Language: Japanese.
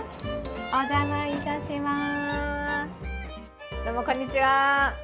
お邪魔いたします。